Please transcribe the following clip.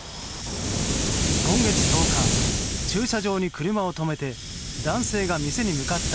今月１０日、駐車場に車を止めて男性が店に向かった